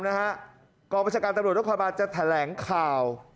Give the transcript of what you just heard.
็กประชาการตำรวจละคอนบานจะแถนแหลงข่าว